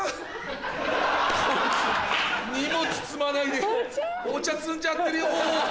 こいつ荷物積まないでお茶摘んじゃってるよ。